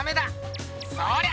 そりゃ！